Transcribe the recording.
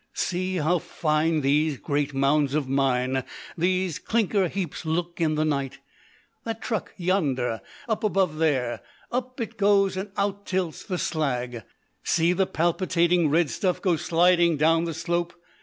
"See how fine these great mounds of mine, these clinker heaps, look in the night! That truck yonder, up above there! Up it goes, and out tilts the slag. See the palpitating red stuff go sliding down the slope.